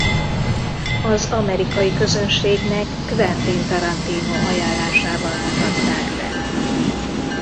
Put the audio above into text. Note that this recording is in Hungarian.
Az amerikai közönségnek Quentin Tarantino ajánlásával mutatták be.